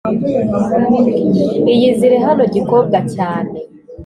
iyizire hano gikobwa cyane